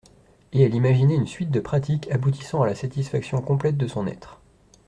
Et elle imaginait une suite de pratiques aboutissant à la satisfaction complète de son être.